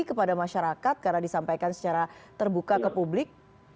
kepada masyarakat karena disampaikan secara terbuka ke publik